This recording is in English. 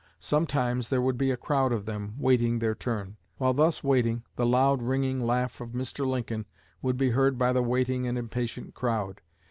Sometimes there would be a crowd of them waiting their turn. While thus waiting, the loud ringing laugh of Mr. Lincoln would be heard by the waiting and impatient crowd.